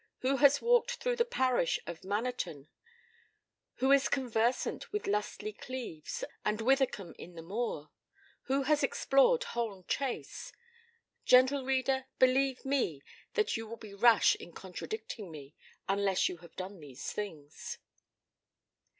Who has walked through the parish of Manaton? Who is conversant with Lustleigh Cleeves and Withycombe in the moor? Who has explored Holne Chase? Gentle reader, believe me that you will be rash in contradicting me unless you have done these things.